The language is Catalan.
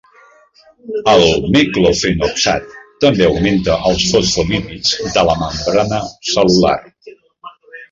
El meclofenoxat també augmenta els fosfolípids de la membrana cel·lular.